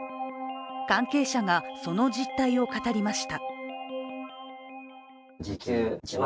関係者がその実態を語りました。